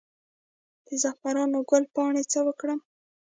د زعفرانو ګل پاڼې څه وکړم؟